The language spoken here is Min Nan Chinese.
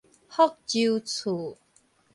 福州厝